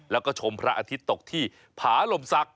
แล้วก็ชมพระอาทิตย์ตกที่ผาลมศักดิ